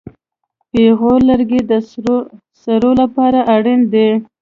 پېغور لرګی د سړو لپاره اړین دی.